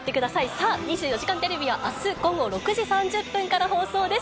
さあ、２４時間テレビはあす午後６時３０分から放送です。